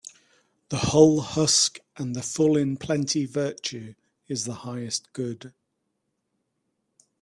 The hull husk and the full in plenty Virtue is the highest good